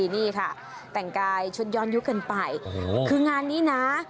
นี่ค่ะแต่งกายชุดย้อนยุคกันไปคืองานนี้นะ